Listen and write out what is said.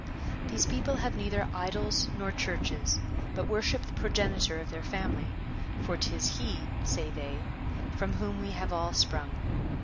"^ These people have neither idols nor churches, but worship the progenitor of their family, " for 'tis he," say they, " from whom we have all sprung."